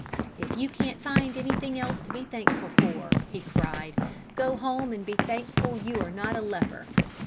"If you can't find anything else to be thankful for," he cried, "go home and be thankful you are not a leper!"